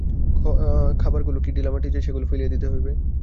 খাবারগুলো কি ঢেলামাটি যে, সেগুলো ফেলিয়া দিতে হইবে?